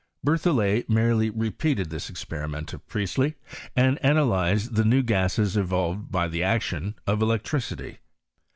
BerthoUet merely repeated this experiment of Priestley, and analyzed the new gases evolved by the action of electricity.